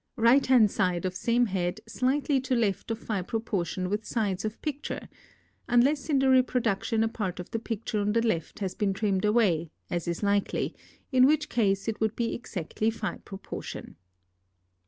Right hand side of same head slightly to left of Phi proportion with sides of picture (unless in the reproduction a part of the picture on the left has been trimmed away, as is likely, in which case it would be exactly Phi proportion).